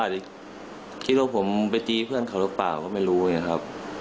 พออาจทิดโรคผมไปจี้เพื่อนเขาหรือเปล่าก็ไม่รู้นะครับ